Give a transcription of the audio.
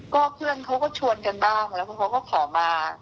ก็เพื่อนเขาก็ชวนกันบ้างแล้วเพราะเขาก็ขอมา